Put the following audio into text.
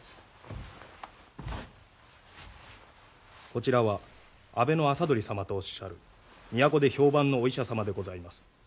こちらは阿部麻鳥様とおっしゃる都で評判のお医者様でございます。